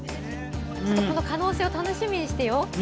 この可能性を楽しみにしてよう！